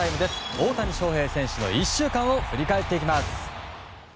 大谷翔平選手の１週間を振り返っていきます。